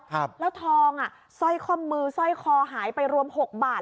แล้วทองสร้อยคอมมือสร้อยคอหายไปรวม๖บาท